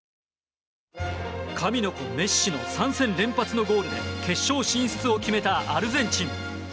神の子、メッシの３戦連発のゴールで決勝進出を決めたアルゼンチン。